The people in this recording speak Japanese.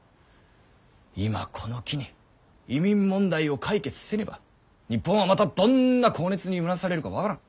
今この機に移民問題を解決せねば日本はまたどんな高熱にうなされるか分からん。